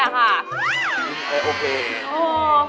อยู่